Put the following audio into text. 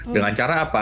dengan cara apa